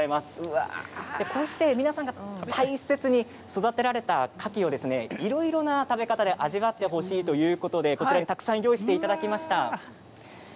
こうして皆さんが大切に育てられたカキをいろいろな食べ方で味わってほしいということでたくさん用意していただきました。